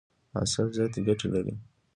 عسل زیاتي ګټي لري.